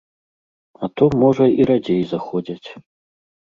А то, можа, і радзей заходзяць.